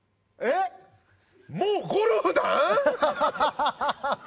もうゴルフなん？